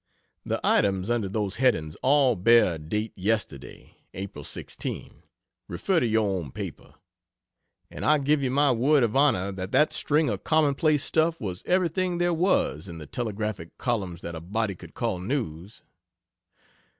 The items under those headings all bear date yesterday, Apl. 16 (refer to your own paper) and I give you my word of honor that that string of commonplace stuff was everything there was in the telegraphic columns that a body could call news.